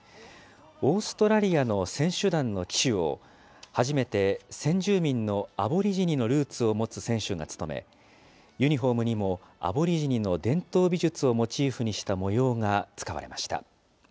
オーストラリアの選手団の旗手を、初めて、先住民のアボリジニのルーツを持つ選手が務め、ユニホームにもアボリジニの伝統美術をモチーフにした模様が使われました。